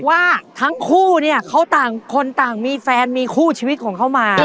ว่าทั้งคู่เนี่ยเขาต่างคนต่างมีแฟนมีคู่ชีวิตของเขามา